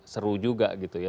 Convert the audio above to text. seru juga gitu ya